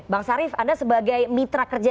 bang sarif anda sebagai mitra kerja